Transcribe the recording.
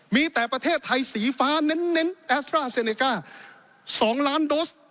มีแต่ประเทศไทยสีฟ้าเน้นแอสตราเซเนก้า๒ล้านโดส